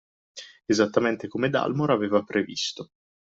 Esattamente come Dalmor aveva previsto